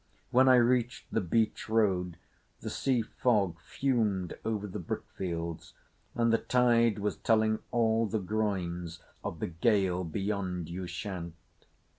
When I reached the beach road the sea fog fumed over the brickfields, and the tide was telling all the groins of the gale beyond Ushant.